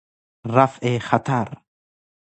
رفع خطر